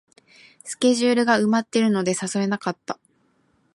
スケジュールが埋まってるので誘えなかった